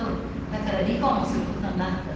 「だから離婚をする事になった。